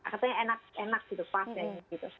katanya enak enak gitu